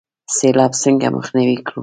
سیلاب څنګه مخنیوی کړو؟